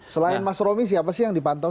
selain mas romi siapa sih yang dipantau